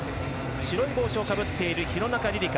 白い帽子をかぶっている廣中璃梨佳。